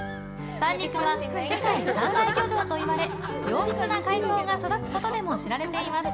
三陸は世界三大漁場といわれ良質な海草が育つことでも知られています。